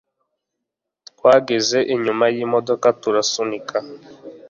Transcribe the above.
Twageze inyuma yimodoka turasunika